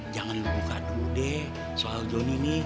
jangan buka kadung deh soal jonny nih